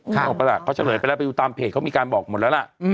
เขาก็ที่ตอบเรื่องช่อมตามเพจเขามีการแบบบอกหมดแล้ว